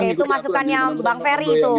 oke itu masukannya bang ferry itu